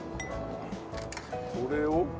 これを。